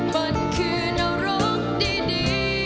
มันคือนรกดี